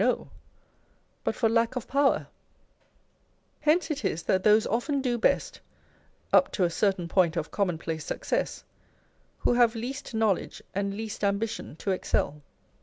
no,) but for lack of power Hence it is that those often do best (up to a certain point of commonplace success) who have least knowledge and least ambition to excel.